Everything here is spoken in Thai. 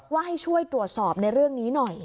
ให้ช่วยตรวจสอบในเรื่องนี้หน่อย